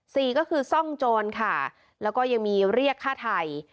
สี่ก็คือซ่องโจรค่ะแล้วก็ยังมีเรียกฆ่าไทย